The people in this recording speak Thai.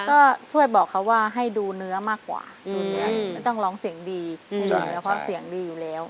ซึ่งช่วยบอกเขาว่าให้ดูเนื้อมากกว่าไม่ต้องร้องเสียงดีเพราะเสียงดีอยู่แล้ว